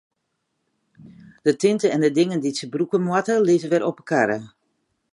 De tinte en de dingen dy't se brûke moatte, lizze wer op de karre.